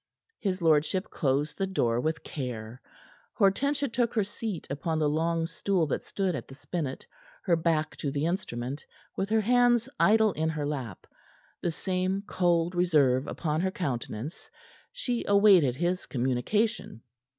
His lordship closed the door with care. Hortensia took her seat upon the long stool that stood at the spinet, her back to the instrument, and with hands idle in her lap the same cold reserve upon her countenance she awaited his communication.